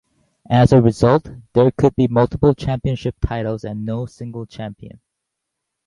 As a result, there could be multiple championship titles and no single champion.